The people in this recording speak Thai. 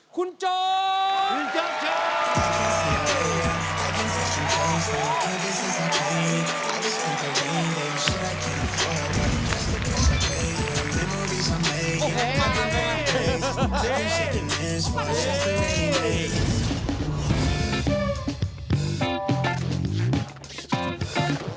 คุณโจ๊กคุณโจ๊ก